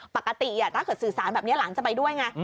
ปกติถ้าเกิดสื่อสารแบบนี้หลานจะไปด้วยไง